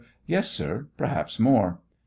Yes, sir ; perhaps more. Q.